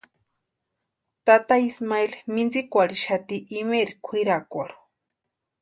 Tata Ismael mintsïkwarhixati imeeri kwʼirakwarhu.